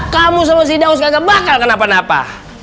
kamu sama si daus gak bakal kena apa apa